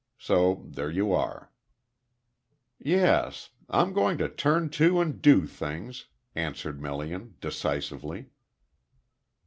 So there you are." "Yes. I'm going to turn to and do things," answered Melian decisively.